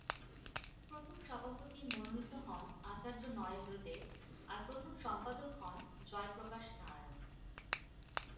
প্রথম সভাপতি মনোনীত হন আচার্য নরেন্দ্র দেব আর প্রথম সম্পাদক হন জয়প্রকাশ নারায়ণ।